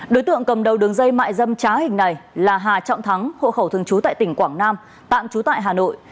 đối tượng cầm đầu đường dây mại dâm trá hình này là hà trọng thắng hộ khẩu thường trú tại tỉnh quảng nam tạm trú tại hà nội